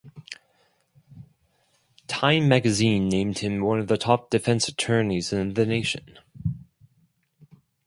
Time magazine named him one of the top defense attorneys in the nation.